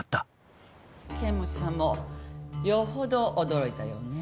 剣持さんもよほど驚いたようね。